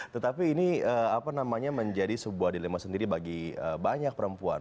tetapi ini apa namanya menjadi sebuah dilema sendiri bagi banyak perempuan